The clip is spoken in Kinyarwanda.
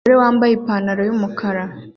Umugore wambaye ipantaro yumukara